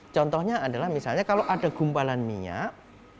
contohnya adalah misalnya kalau ada gumpalan minyak